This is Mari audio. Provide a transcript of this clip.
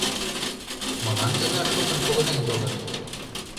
Молан тынар шукын погынен толыт?